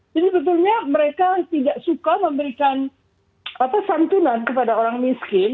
jadi sebetulnya mereka tidak suka memberikan santunan kepada orang miskin